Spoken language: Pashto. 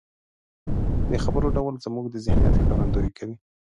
د خبرو ډول زموږ د ذهنيت ښکارندويي کوي.